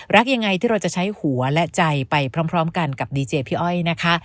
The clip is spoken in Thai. รักยังไงที่เราจะใช้หัวและใจไปพร้อมกันกับดีเจพี่อ้อยนะคะ